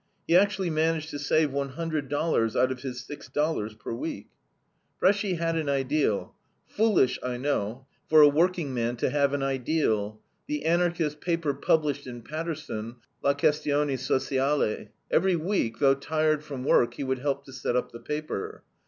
He actually managed to save one hundred dollars out of his six dollars per week. Bresci had an ideal. Foolish, I know, for a workingman to have an ideal, the Anarchist paper published in Paterson, LA QUESTIONE SOCIALE. Every week, though tired from work, he would help to set up the paper.